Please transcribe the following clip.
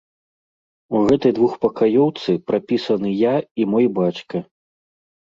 У гэтай двухпакаёўцы прапісаны я і мой бацька.